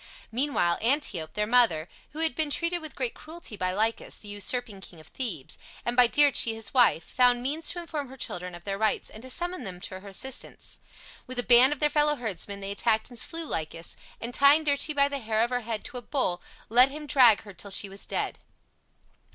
Meanwhile Antiope, their mother, who had been treated with great cruelty by Lycus, the usurping king of Thebes, and by Dirce, his wife, found means to inform her children of their rights and to summon them to her assistance. With a band of their fellow herdsmen they attacked and slew Lycus, and tying Dirce by the hair of her head to a bull, let him drag her till she was dead.